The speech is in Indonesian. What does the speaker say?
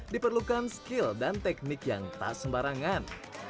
diperlukan skill dan teknik yang tak sembarangan